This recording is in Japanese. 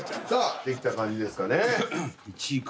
さあできた感じですかね。